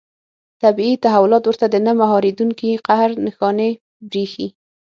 طبیعي تحولات ورته د نه مهارېدونکي قهر نښانې برېښي.